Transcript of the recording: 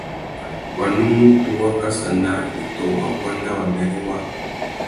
Wanúmútú wá kassa naā itô wa buanda mbêrê waā.